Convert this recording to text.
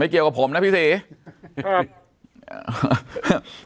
เกี่ยวกับผมนะพี่ศรีครับ